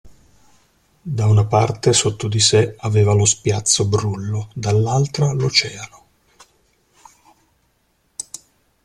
Da una parte, sotto di sé, aveva lo spiazzo brullo, dall'altra l'oceano.